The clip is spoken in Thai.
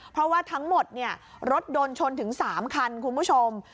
เพราะว่าทั้งหมดรถโดนชนถึง๓คันคุณผู้ชม